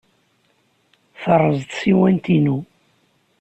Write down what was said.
Terreẓ tsiwant-inu.